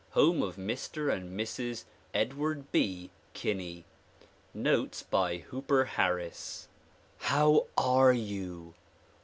Home of Mr. and Mrs. Edward B. Kinney. Notes by Hooper Harris LI OW are you?